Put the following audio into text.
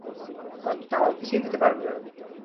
কয়েকটা টাওয়াল ভিজিয়ে দিতে পারবে?